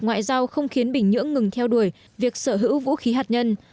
ngoại giao không khiến bình nhưỡng ngừng theo đuổi việc sở hữu vũ khí hạt nhân